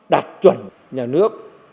đạt chuẩn nhà nước